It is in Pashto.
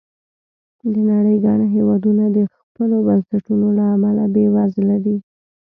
د نړۍ ګڼ هېوادونه د خپلو بنسټونو له امله بېوزله دي.